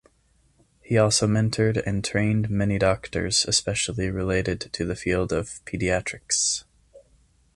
He also mentored and trained many doctors especially related to the field of paediatrics.